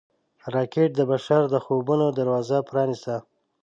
راکټ د بشر د خوبونو دروازه پرانیسته